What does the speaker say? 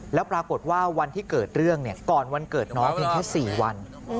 แล้วปรากฏว่าวันที่เกิดเรื่องก่อนวันเกิดน้องเพียงแค่๔วัน